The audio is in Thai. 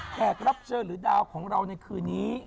แพครัพเชอร์หรือดาวของเราทีนี้